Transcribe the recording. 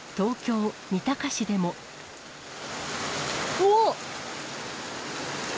おっ！